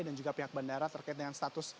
dan juga pihak bandara terkait dengan status